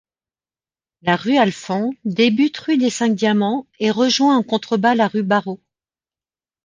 La rue Alphand débute rue des Cinq-Diamants et rejoint en contrebas la rue Barrault.